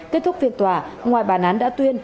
kết thúc phiên tòa ngoài bàn án đã tuyên